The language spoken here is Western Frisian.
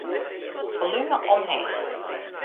Folume omheech.